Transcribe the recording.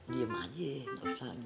diem aja gak usah jawab ya